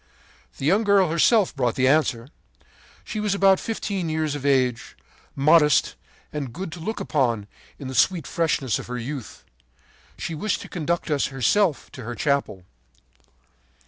The young girl herself brought the answer. She was about fifteen years of age, modest and good to look upon in the sweet freshness of her youth. She wished to conduct us herself to her chapel.